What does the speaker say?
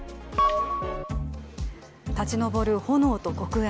立ち上る炎と黒煙。